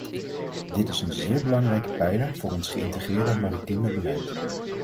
Dit is een zeer belangrijke pijler voor ons geïntegreerde maritieme beleid.